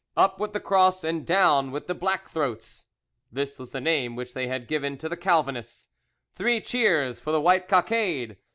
Up with the Cross and down with the black throats!" (This was the name which they had given to the Calvinists.) "Three cheers for the white cockade!